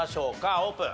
オープン。